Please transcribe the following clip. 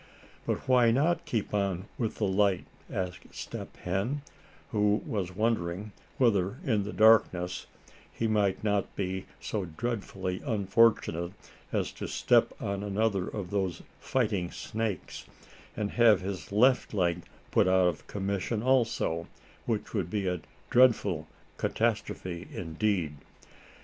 "But why not keep on with the light?" asked Step Hen, who was wondering whether in the darkness he might not be so dreadfully unfortunate as to step on another of those "fighting snakes," and have his left leg put out of commission also, which would be a dreadful catastrophe indeed.